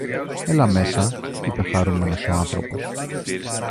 Έλα μέσα, είπε χαρούμενος ο άνθρωπος.